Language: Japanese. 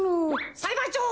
さいばんちょう！